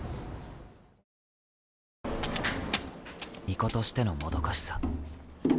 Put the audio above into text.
巫女としての、もどかしさ。